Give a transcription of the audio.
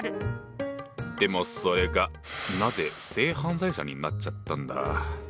でもそれがなぜ「性犯罪者」になっちゃったんだ？